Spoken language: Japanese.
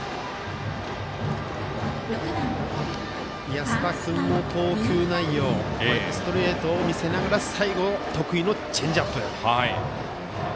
安田君も投球内容ストレートを見せながら最後、得意のチェンジアップ。